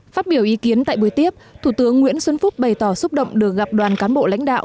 phát biểu ý kiến tại buổi tiếp thủ tướng nguyễn xuân phúc bày tỏ xúc động được gặp đoàn cán bộ lãnh đạo